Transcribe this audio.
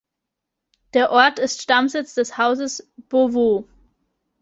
Der Ort ist Stammsitz des Hauses Beauvau.